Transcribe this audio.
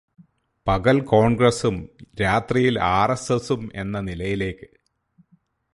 പകല് കോണ്ഗ്രസും രാത്രി ആര്എസ്എസ്സും എന്ന നിലയിലേക്ക്